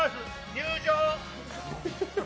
入場！